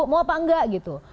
mau apa enggak gitu